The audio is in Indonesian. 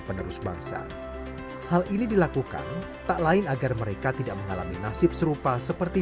dan keputusan hal ini dilakukan tak lain agar mereka tidak mengalami nasib serupa seperti